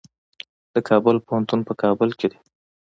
د کابل پوهنتون په کابل کې دی